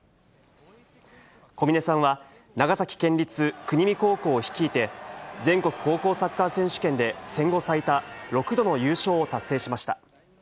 小嶺さんは、長崎県立国見高校を率いて、全国高校サッカー選手権で戦後最多、６度の優勝を達成しました。